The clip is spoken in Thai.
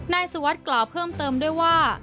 นายสุวัสดิ์กล่าวเพิ่มเติมด้วยว่า